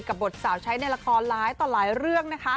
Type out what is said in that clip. บทสาวใช้ในละครหลายต่อหลายเรื่องนะคะ